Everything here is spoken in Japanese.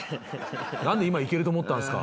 何で今いけると思ったんすか。